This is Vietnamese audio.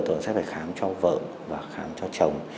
tôi sẽ phải khám cho vợ và khám cho chồng